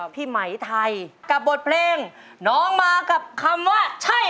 พี่ไหมไทยกับบทเพลงน้องมากับคำว่าใช่